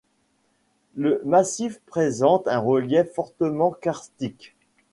Le massif présente un relief fortement karstique.